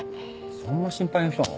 そんな心配な人なの？